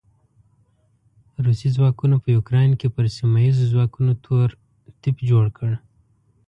روسي ځواکونو په يوکراين کې پر سیمه ايزو ځواکونو تور تيپ جوړ کړ.